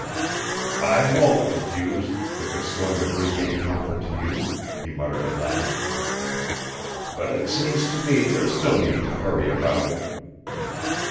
"I won't refuse, if it's going to bring any comfort to you, he muttered at last; "but it seems to me there's no need to hurry about it.